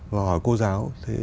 và hỏi cô giáo